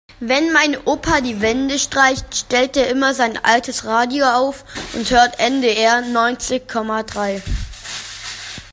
Wenn mein Opa die Wände streicht, stellt er immer sein altes Radio auf und hört NDR neunzig Komma drei.